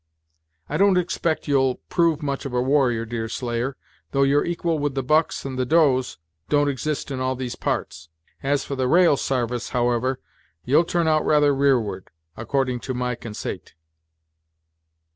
I don't expect you'll prove much of a warrior, Deerslayer, though your equal with the bucks and the does don't exist in all these parts. As for the ra'al sarvice, however, you'll turn out rather rearward, according to my consait."